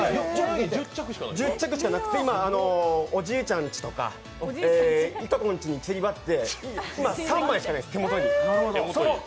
１０着しかなくて、今、おじいちゃんちとかいとこんちに散らばって今３枚しか手元にないです。